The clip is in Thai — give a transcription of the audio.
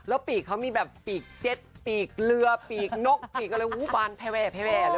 แล้วปีกเขามีแบบปีกเจ็ดปีกเรือปีกนกปีกอะไรวู้บานแพร่เลย